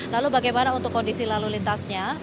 lalu bagaimana untuk kondisi lalu lintasnya